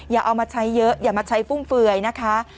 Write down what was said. อย่าเอามาใช้เยอะอย่ามาใช้ฟุ่มเฟือยนะคะ